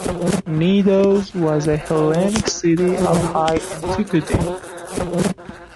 Knidos was a Hellenic city of high antiquity.